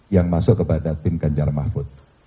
yang masuk kepada tim ganjar mahfud